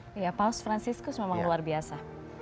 iya paus franciscus memang luar biasa